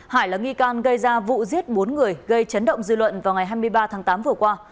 hải là nghi can gây ra vụ giết bốn người gây chấn động dư luận vào ngày hai mươi ba tháng tám vừa qua